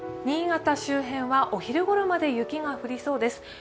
新潟周辺はお昼ごろまで雪が降りそうです。